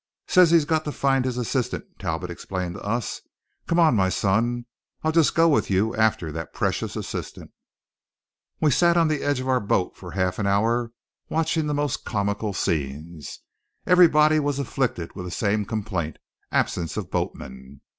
"Says he's got to find his assistant," Talbot explained to us. "Come on, my son, I'll just go with you after that precious assistant." We sat on the edge of our boat for half an hour, watching the most comical scenes. Everybody was afflicted with the same complaint absence of boatmen.